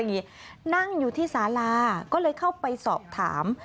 อย่างนั้นก็ดีไหม